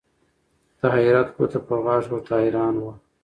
د حیرت ګوته په غاښ ورته حیران وه